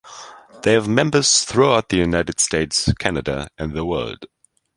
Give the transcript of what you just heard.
They have members throughout the United States, Canada and the world.